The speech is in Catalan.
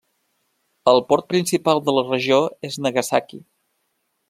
El port principal de la regió és Nagasaki.